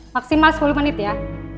maksimal sepuluh menit ya